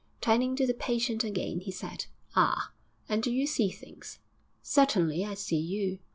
Turning to the patient again, he said, 'Ah! and do you see things?' 'Certainly; I see you.'